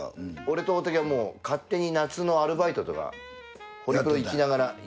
俺と大竹は勝手に夏のアルバイトとか行きながら。